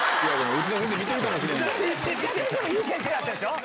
ウチダ先生もいい先生だったでしょ？